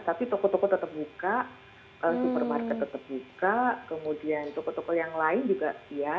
tapi toko toko tetap buka supermarket tetap buka kemudian toko toko yang lain juga siap